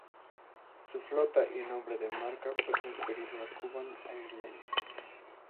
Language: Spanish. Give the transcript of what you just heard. Su flota y nombre de marca fue transferido a Kuban Airlines.